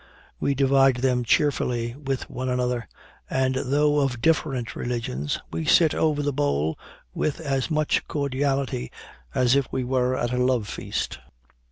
We divide them cheerfully with one another; and though of different religions, we sit over the bowl with as much cordiality as if we were at a love feast."